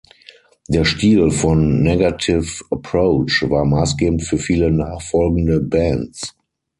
Der Stil von Negative Approach war maßgebend für viele nachfolgende Bands.